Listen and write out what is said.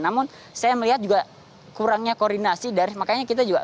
dan saya melihat juga kurangnya koordinasi dari makanya kita juga